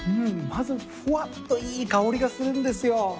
まずふわっといい香りがするんですよ。